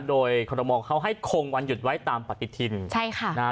โดยคอรมอลเขาให้คงวันหยุดไว้ตามปฏิทินใช่ค่ะนะฮะ